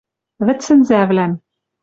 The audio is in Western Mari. Вӹдсӹнзӓвлӓм